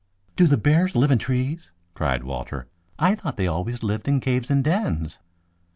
"Do the bears live in trees?" cried Walter. "I thought they always lived in caves and dens."